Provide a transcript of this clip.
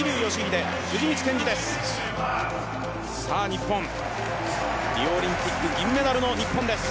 さあ日本、リオオリンピック銀メダルの日本です。